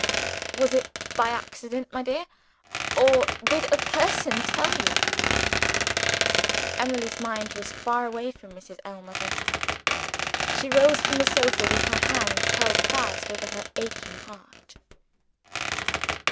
Was it by accident, my dear? or did a person tell you?" Emily's mind was far away from Mrs. Ellmother. She rose from the sofa, with her hands held fast over her aching heart.